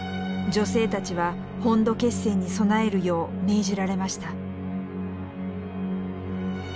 女性たちは本土決戦に備えるよう命じられました。